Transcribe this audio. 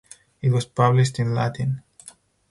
It was published in Latin.